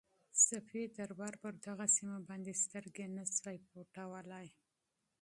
صفوي دربار پر دغه سیمه باندې سترګې نه شوای پټولای.